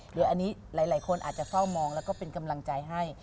หรืออันนี้หลายคนอาจจะเฝ้ามองแล้วก็เป็นกำลังใจให้